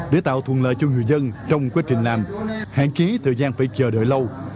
để tạo thuận lợi cho người dân trong quá trình làm hạn chế thời gian phải chờ đợi lâu